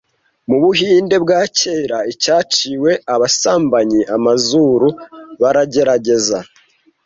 Mu Buhinde bwa kera icyaciwe abasambanyi Amazuru - baragerageza